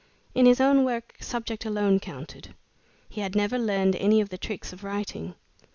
In his own work, subject alone counted. He had never learned any of the tricks of writing.